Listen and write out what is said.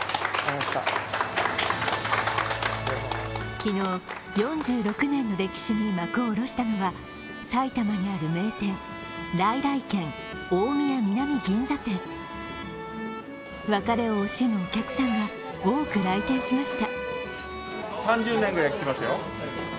昨日、４６年の歴史に幕を下ろしたのは埼玉にある名店、来来軒大宮南銀座店別れを惜しむお客さんが多く来店しました。